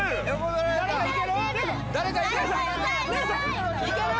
誰かいける？